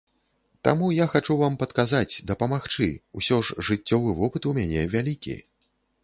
Таму я хачу вам падказаць, дапамагчы, усё ж жыццёвы вопыт у мяне вялікі.